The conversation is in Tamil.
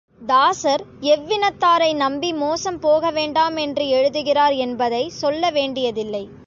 தாசர் எவ்வினத்தாரை நம்பி மோசம் போக வேண்டாமென்று எழுதுகிறார் என்பதைச் சொல்ல வேண்டியதில்லை.